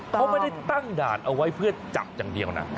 เขาไม่ได้ตั้งด่านเอาไว้เพื่อจับอย่างเดียวนะ